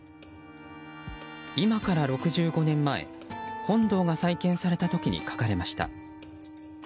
今から６５年前、本堂が再建された時に描かれました。